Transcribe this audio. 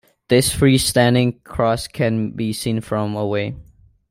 This free-standing cross can be seen from away.